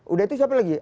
udah itu siapa lagi